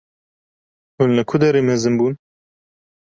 Hûn li ku derê mezin bûn?